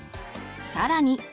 更に。